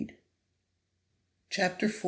CHAPTER IV.